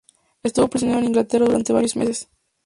Estuvo prisionero en Inglaterra durante varios meses.